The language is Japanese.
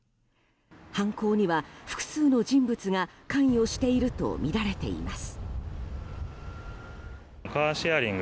犯行には複数の人物が関与しているとみられています。